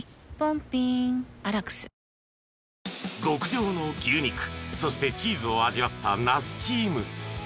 ［極上の牛肉そしてチーズを味わった那須チーム］